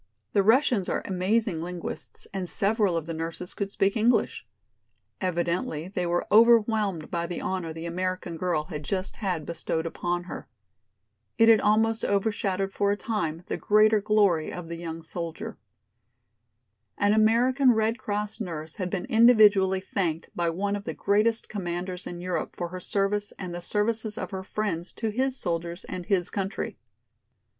The Russians are amazing linguists and several of the nurses could speak English. Evidently they were overwhelmed by the honor the American girl had just had bestowed upon her. It had almost overshadowed for the time the greater glory of the young soldier. An American Red Cross nurse had been individually thanked by one of the greatest commanders in Europe for her service and the services of her friends to his soldiers and his country.